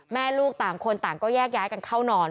แม่ลูกต่างคนต่างก็แยกย้ายกันเข้านอน